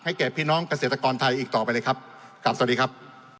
แก่พี่น้องเกษตรกรไทยอีกต่อไปเลยครับครับสวัสดีครับ